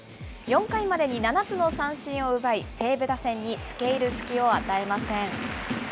４回までに７つの三振を奪い、西武打線につけいる隙を与えません。